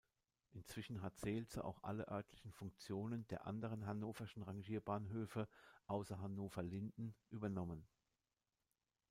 Inzwischen hat Seelze auch alle örtlichen Funktionen der anderen hannoverschen Rangierbahnhöfe, außer Hannover-Linden, übernommen.